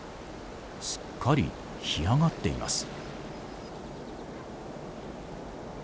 すっかり干上がっています。